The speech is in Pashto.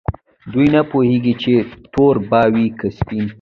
دوی نه پوهیږي چې تور به وي که سپین.